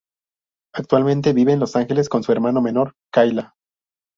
Actualmente vive en Los Ángeles con su hermana menor Kayla.